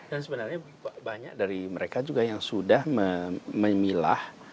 dan sebenarnya banyak dari mereka juga yang sudah memilah